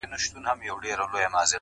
غلیمان د پایکوبونو به په ګور وي!!